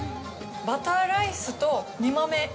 バターライスと煮豆。